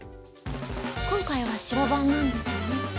今回は白番なんですね。